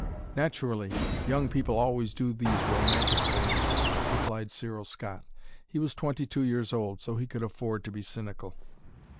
"Naturally! Young people always do these romantic things," replied Cyril Scott. He was twenty two years old, so he could afford to be cynical.